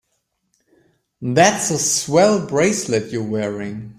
That's a swell bracelet you're wearing.